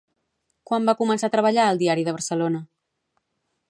Quan va començar a treballar al Diari de Barcelona?